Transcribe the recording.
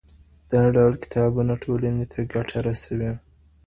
دا ډول کتابونه ټولنې ته ګټه رسوي.